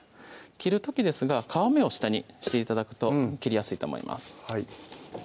切る時ですが皮目を下にして頂くと切りやすいと思います